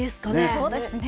そうですね。